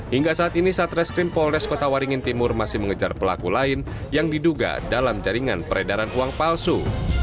hingga saat ini satreskrim polres kota waringin timur masih mengejar pelaku lain yang diduga dalam jaringan peredaran uang palsu